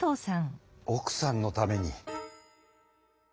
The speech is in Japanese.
おくさんのために。